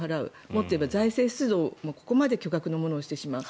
もっと言えば財政出動もここまで巨額のものをしてしまう。